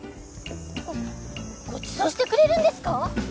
ごごちそうしてくれるんですか？